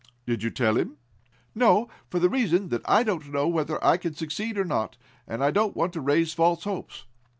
"Did you tell him?" "No, for the reason that I don't know whether I can succeed or not, and I don't want to raise false hopes."